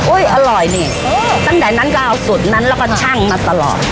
อร่อยนี่ตั้งแต่นั้นก็เอาสูตรนั้นแล้วก็ชั่งมาตลอด